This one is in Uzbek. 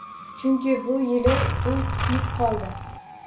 Chunki bu yili u kuyib qoldi